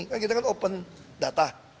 kan kita kan open data